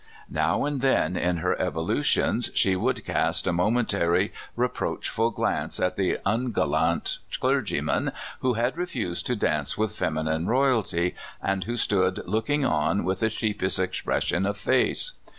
Now and then THE CALIFORNIA MADHOUSE. 157 in her evolutions she would cast a momentary re proachful glance at the ungallant clergyman who had refused to dance with feminine royalty, and who stood looking on with a sheepish expression of face.